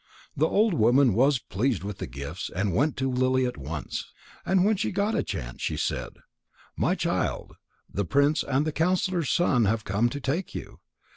The old woman was pleased with the gifts and went to Lily at once. And when she got a chance, she said: "My child, the prince and the counsellor's son have come to take you.